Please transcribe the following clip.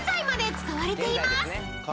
使われています］